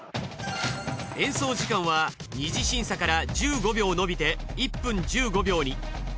演奏時間は二次審査から１５秒のびて１分１５秒に。